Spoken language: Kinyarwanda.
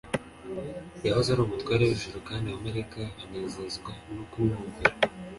Yahoze ari umutware w' ijuru kandi abamarayika banezezwaga no kumwumvira,